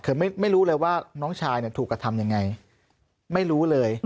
คือไม่รู้เลยว่าน้องชายเนี่ยถูกกระทำยังไงไม่รู้เลย